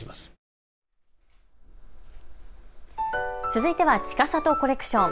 続いてはちかさとコレクション。